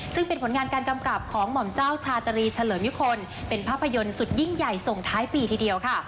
ซึ่งเป็นผลงานการกำกับของหม่อมเจ้าชาตรีเฉลิมยุคลเป็นภาพยนตร์สุดยิ่งใหญ่ส่งท้ายปีทีเดียวค่ะ